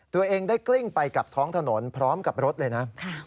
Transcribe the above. ตัวเองได้กลิ้งไปกับท้องถนนพร้อมกับรถเลยนะ